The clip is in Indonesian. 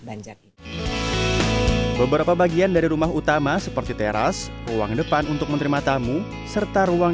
banjak ini beberapa bagian dari rumah utama seperti teras ruang depan untuk menerima tamu serta ruang